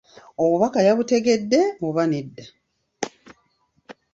Obubaka yabutegedde oba nedda?